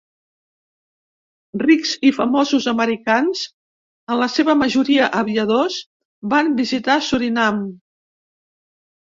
Rics i famosos americans, en la seva majoria aviadors, van visitar Surinam.